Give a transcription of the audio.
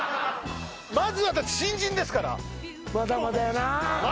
まずは新人ですからまだまだやな